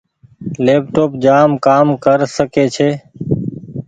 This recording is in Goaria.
ليپ ٽوپ جآم ڪر ڪسي ڇي ۔